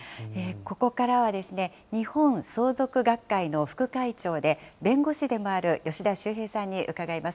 ここからは、日本相続学会の副会長で、弁護士でもある吉田修平さんに伺います。